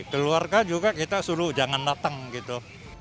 keluarga juga kita suruh jangan datang gitu